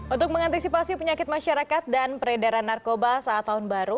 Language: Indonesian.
untuk mengantisipasi penyakit masyarakat dan peredaran narkoba saat tahun baru